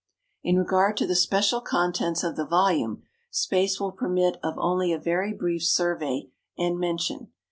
In regard to the special contents of the volume, space will permit of only a very brief survey and mention.